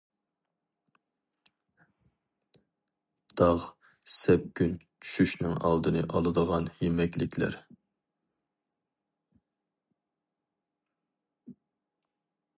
داغ، سەپكۈن چۈشۈشنىڭ ئالدىنى ئالىدىغان يېمەكلىكلەر.